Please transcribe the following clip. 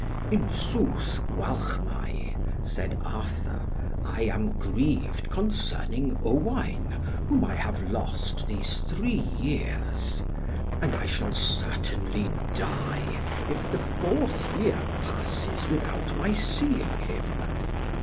"In sooth, Gwalchmai," said Arthur, "I am grieved concerning Owain, whom I have lost these three years; and I shall certainly die, if the fourth year passes without my seeing him.